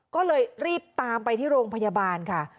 ก็เลยรีบตามไปที่โรงพยาบาลค่ะ